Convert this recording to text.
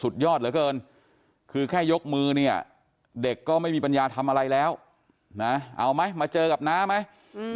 เด็กก็ไม่มีปัญญาทำอะไรแล้วนะเอาไหมมาเจอกับน้าไหมอืม